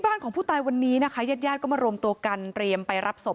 พวกผู้ตายวันนี้นะคะยาดก็มารวมตัวกันเตรียมไปรับศพ